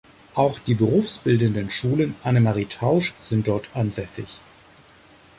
Auch die "Berufsbildenden Schulen Anne-Marie Tausch" sind dort ansässig.